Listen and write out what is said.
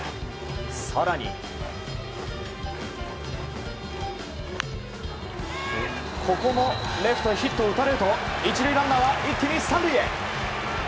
更に、ここもレフトへヒットを打たれると１塁ランナーは一気に３塁へ。